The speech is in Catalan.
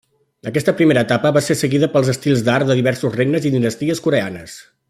Aquesta primera etapa va ser seguida pels estils d'art de diversos regnes i dinasties coreanes.